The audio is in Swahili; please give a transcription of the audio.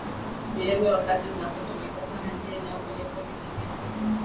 kulevya wakati zinapotumika sana njia inayopelekea utegemezi wa